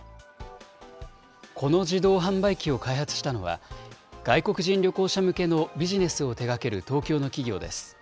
この自動販売機を開発したのは、外国人旅行者向けのビジネスを手がける東京の企業です。